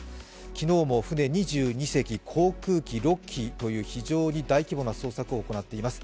昨日も船２２隻、航空機６機という非常に大規模な捜索を行っています。